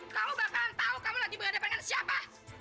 kamu gak akan tahu kamu lagi berhadapan dengan siapa